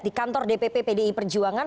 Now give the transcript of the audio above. di kantor dpp pdi perjuangan